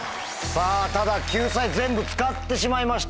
ただ救済全部使ってしまいました。